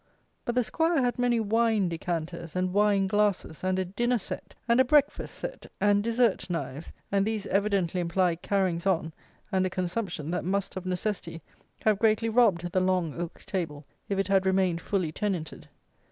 But the 'Squire had many wine decanters and wine glasses and "a dinner set" and a "breakfast set," and "desert knives:" and these evidently imply carryings on and a consumption that must of necessity have greatly robbed the long oak table if it had remained fully tenanted.